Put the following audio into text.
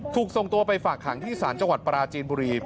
ถูกส่งตัวไปฝากขังที่ศาลจังหวัดปราจีนบุรี